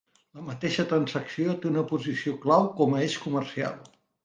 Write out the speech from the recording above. La mateixa transacció té una posició clau com a eix comercial.